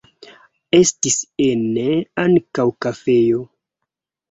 Estis ene ankaŭ kafejo.